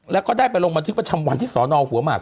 แล้วก็ได้ไปลงบันทึกประจำวันที่สอนอหัวหมาก